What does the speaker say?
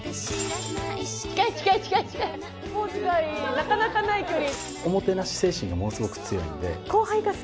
なかなかない距離。